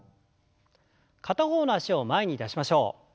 片方の脚を前に出しましょう。